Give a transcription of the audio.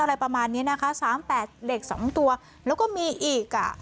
อะไรประมาณนี้นะคะสามแปดเหล็กสองตัวแล้วก็มีอีกอ่ะ